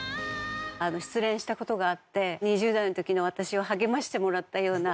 失恋した事があって２０代の時の私を励ましてもらったような。